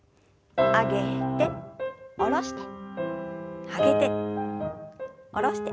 上げて下ろして上げて下ろして。